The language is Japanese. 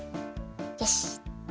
よし！